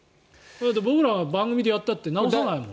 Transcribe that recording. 僕らは番組で言ったって直さないもん。